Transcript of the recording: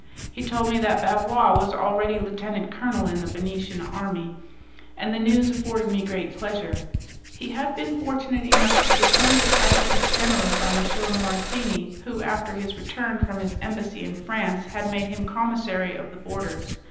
He told me that Bavois was already lieutenant colonel in the Venetian army, and the news afforded me great pleasure. He had been fortunate enough to be appointed adjutant general by M. Morosini, who, after his return from his embassy in France, had made him Commissary of the Borders.